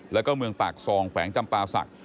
แล้วก็เมืองปากซองแขวงจำปาศักดิ